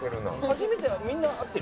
初めてみんな会ってる？